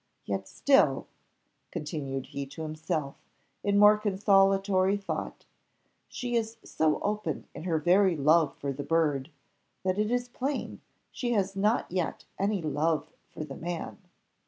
Yet still," continued he to himself in more consolatory thought "she is so open in her very love for the bird, that it is plain she has not yet any love for the man.